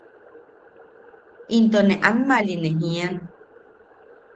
Into ne amma’ali ne jian.